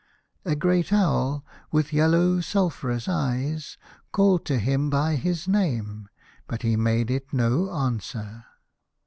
A great owl, with yellow sulphurous eyes, called to him by his name, but he made it no answer.